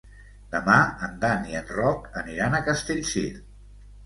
Demà en Dan i en Roc aniran a Castellcir.